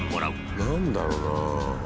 何だろうな？